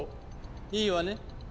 いいわね？